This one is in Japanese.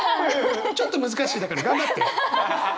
ちょっと難しいだから頑張って。